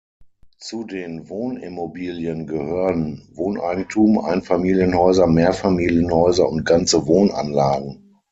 Zu den Wohnimmobilien gehören Wohneigentum, Einfamilienhäuser, Mehrfamilienhäuser und ganze Wohnanlagen.